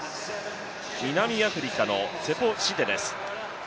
南アフリカのツェポ・シテです。